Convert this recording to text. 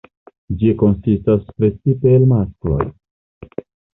Ĝi konsistas precipe el muskoloj.